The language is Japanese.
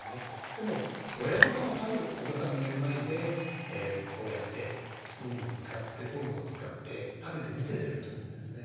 でも親御さんは多分お子さんの目の前でこうやってスプーンを使ってフォークを使って食べて見せてると思うんですね。